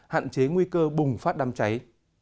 hạn chế nguy cơ bùng phát đam cháy